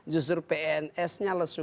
justru pns nya lah